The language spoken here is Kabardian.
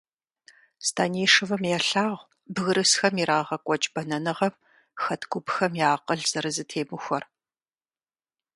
Станишевым елъагъу бгырысхэм ирагъэкӀуэкӀ бэнэныгъэм хэт гупхэм я акъыл зэрызэтемыхуэр.